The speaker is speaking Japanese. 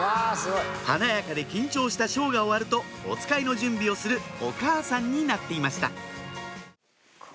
・華やかで緊張したショーが終わるとおつかいの準備をするお母さんになっていました